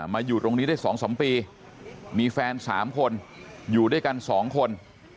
มาอยู่ตรงนี้ได้สองสามปีมีแฟนสามคนอยู่ด้วยกันสองคน